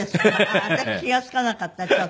私気が付かなかったちょっと。